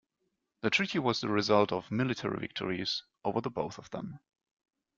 The treaty was the result of military victories over the both of them.